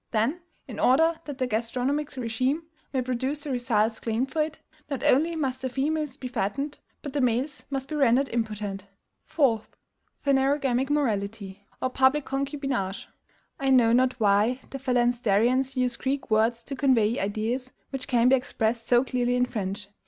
Then, in order that the gastronomic regime may produce the results claimed for it, not only must the females be fattened, but the males must be rendered impotent. 4. PHANEROGAMIC MORALITY, or public concubinage. I know not why the phalansterians use Greek words to convey ideas which can be expressed so clearly in French.